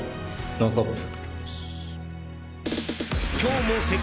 ノンストップ！